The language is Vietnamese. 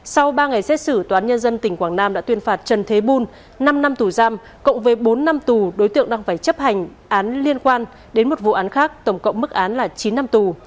sau ba ngày xét xử toán nhân dân tỉnh quảng nam đã tuyên phạt trần thế bùn năm năm tù giam cộng với bốn năm tù đối tượng đang phải chấp hành án liên quan đến một vụ án khác tổng cộng mức án là chín năm tù